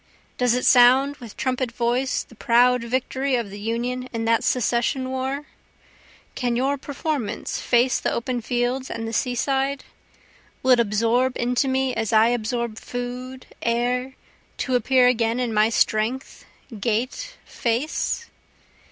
Does it sound with trumpet voice the proud victory of the Union in that secession war? Can your performance face the open fields and the seaside? Will it absorb into me as I absorb food, air, to appear again in my strength, gait, face?